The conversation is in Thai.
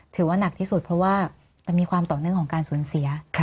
ถือว่านักที่สุดเพราะว่ามันมีความต่อเนื่องของการสูญเสีย